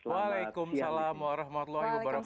waalaikumsalam warahmatullahi wabarakatuh